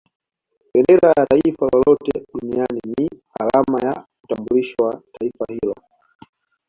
Bendera ya Taifa lolote Duniani ni alama ya utambulisho wa Taifa hilo